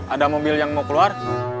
ada mobil yang mau keluar